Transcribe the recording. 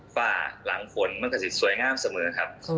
ฝ่าหลังฝนมันก็จะสวยงามเสมอครับ